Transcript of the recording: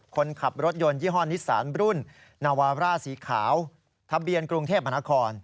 คนขับรถยนต์ยี่ห้อนิสานรุ่นนาวาร่าสีขาวทะเบียนกรุงเทพมหานคร